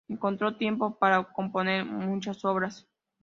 Encontró tiempo para componer muchas obras.